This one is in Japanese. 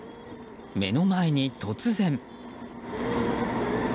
前の前に突然。